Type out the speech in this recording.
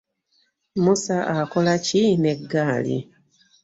Musa akola ki n'eggaali?